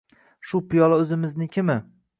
Shu piyola o‘zingiznikimi